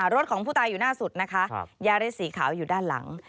รถของผู้ตายอยู่หน้าสุดนะคะยาริสสีขาวอยู่ด้านหลัง